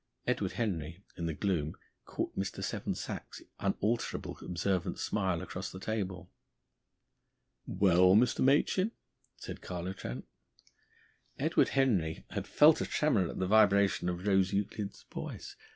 Edward Henry in the gloom caught Mr. Seven Sachs's unalterable observant smile across the table. "Well, Mr. Machin?" said Carlo Trent. Edward Henry had felt a tremor at the vibrations of Rose Euclid's voice.